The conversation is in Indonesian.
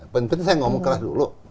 penting saya ngomong keras dulu